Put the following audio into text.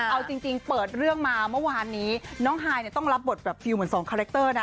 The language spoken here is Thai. เอาจริงเปิดเรื่องมาเมื่อวานนี้น้องฮายเนี่ยต้องรับบทแบบฟิลเหมือนสองคาแรคเตอร์นะ